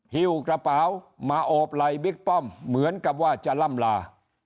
หิ้วกระเป๋ามาโอบไหล่บิ๊กป้อมเหมือนกับว่าจะล่ำลา